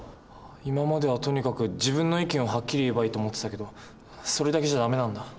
今まではとにかく自分の意見をはっきり言えばいいと思ってたけどそれだけじゃダメなんだ。